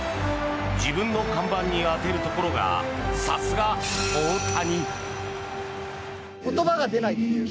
自分の看板に当てるところがさすが大谷。